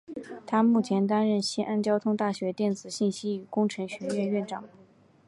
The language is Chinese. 他目前担任西安交通大学电子信息与工程学院院长。